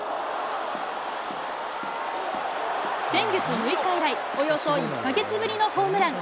先月６日以来、およそ１か月ぶりのホームラン。